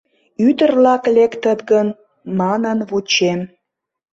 — Ӱдыр-влак лектыт гын манын вучем.